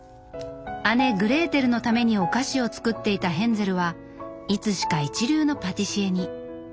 姉グレーテルのためにお菓子を作っていたヘンゼルはいつしか一流のパティシエに。